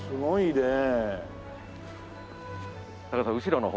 ねえ。